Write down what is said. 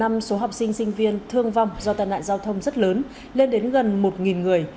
năm số học sinh sinh viên thương vong do tàn nạn giao thông rất lớn lên đến gần một người